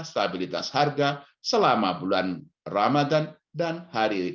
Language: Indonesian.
stabilitas harga selama bulan ramadan dan hari raya